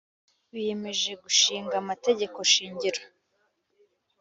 biyemeje gushing amategeko shingiro.